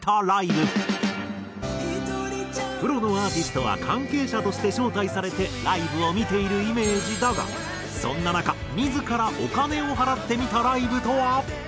プロのアーティストは関係者として招待されてライブを見ているイメージだがそんな中自らお金を払って見たライブとは？